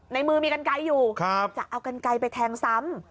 ในมือมีกันไกให้อยู่กันไกไปแทงส้ำ